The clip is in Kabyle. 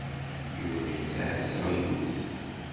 Yuba yettɛassa yiwet.